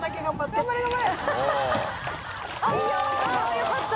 よかった！